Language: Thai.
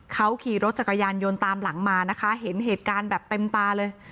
เขาขี่รถจักรยานยนต์ตามหลังมานะคะเห็นเหตุการณ์แบบเต็มตาเลย